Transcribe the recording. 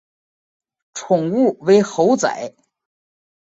宠物为猴仔。